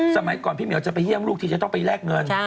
สมัยก่อนพี่เหมียวจะไปเยี่ยมลูกทีจะต้องไปแลกเงิน